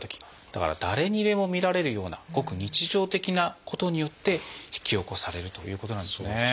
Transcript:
だから誰にでも見られるようなごく日常的なことによって引き起こされるということなんですね。